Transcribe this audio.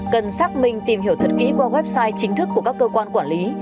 cần xác minh tìm hiểu thật kỹ qua website chính thức của các cơ quan quản lý